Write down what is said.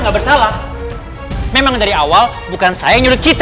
beberapa genera berdua yang sudah foch in